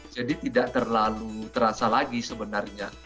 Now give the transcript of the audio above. jadi tidak terlalu terasa lagi sebenarnya